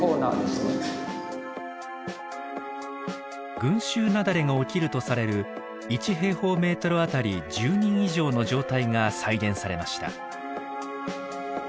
群集雪崩が起きるとされる１あたり１０人以上の状態が再現されました。